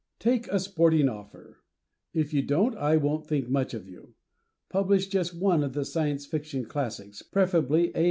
Take a sporting offer. If you don't, I won't think much of you. Publish just one of the Science Fiction classics, preferably A.